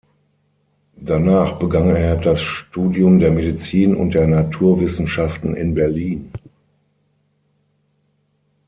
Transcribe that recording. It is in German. Danach begann er das Studium der Medizin und der Naturwissenschaften in Berlin.